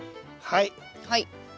はい。